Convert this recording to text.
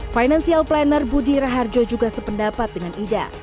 financial planner budi raharjo juga sependapat dengan ida